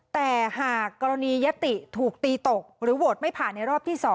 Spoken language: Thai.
แต่หากกรณียติถูกตีตกหรือโหวตไม่ผ่านในรอบที่๒